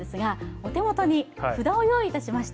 お手元に札を用意いたしました。